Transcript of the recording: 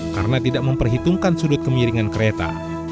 karena tidak memperhitungkan sudut kemiringan kereta